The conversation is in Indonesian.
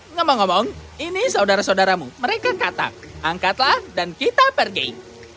ngomong ngomong ini saudara saudaramu mereka katak angkatlah dan kita pergi